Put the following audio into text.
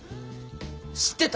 知ってた？